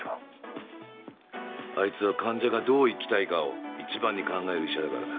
あいつは患者がどう生きたいかを一番に考える医者だからだ。